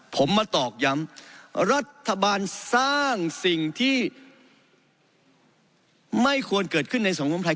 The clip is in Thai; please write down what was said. ผมมาตอกย้ำรัฐบาลสร้างสิ่งที่ไม่ควรเกิดขึ้นในสังคมไทย